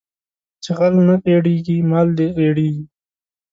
چې غل نه غېړيږي مال دې غېړيږي